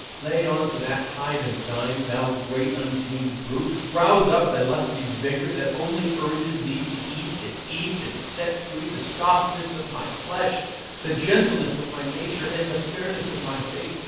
Lay on to that hide of thine, thou great untamed brute, rouse up thy lusty vigour that only urges thee to eat and eat, and set free the softness of my flesh, the gentleness of my nature, and the fairness of my face.